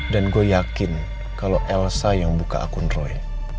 dan gue yakin kalau elsa yang buka akun roy